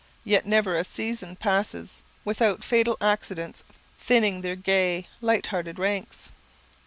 Yet never a season passes without fatal accidents thinning their gay, light hearted ranks.